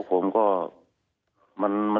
ผมก็มันก็